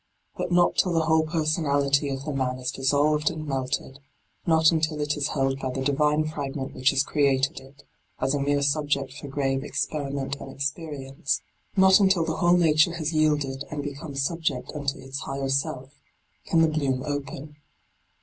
But not till the whole personality of the man is dissolved and melted — not until it is held by the divine fragment which has created it, as a mere subject for grave experiment and experience — not until the whole nature has yielded and become subject unto its higher d by Google 12 LIGHT ON THE PATH self, can the bloom open.